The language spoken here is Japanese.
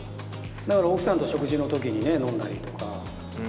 だから、奥さんと食事のときに飲んだりとか。